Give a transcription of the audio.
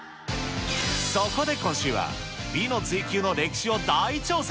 そこで今週は、美の追求の歴史を大調査。